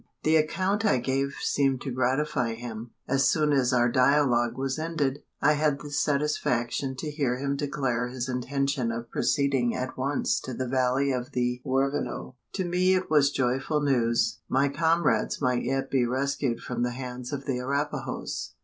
The account I gave seemed to gratify him. As soon as our dialogue was ended, I had the satisfaction to hear him declare his intention of proceeding at once to the valley of the Huerfano! To me it was joyful news: my comrades might yet be rescued from the hands of the Arapahoes?